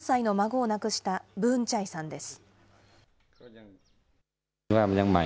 事件で３歳の孫を亡くしたブーンチャイさんです。